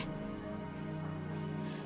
ini gak bisa dibiarin